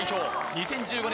２０１５年